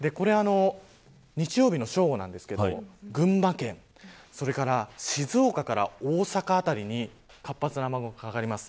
日曜日の正午なんですが群馬県、それから静岡から大阪辺りに活発な雨雲がかかります。